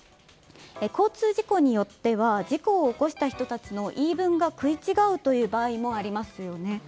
交通事故によっては事故を起こした人たちの言い分が食い違うという場合もありますよね。